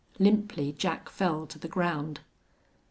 Limply Jack fell to the ground.